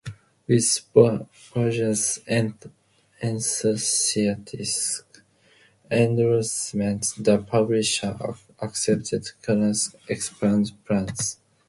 With Varga's enthusiastic endorsement, the publisher accepted Knuth's expanded plans.